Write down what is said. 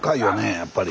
やっぱり。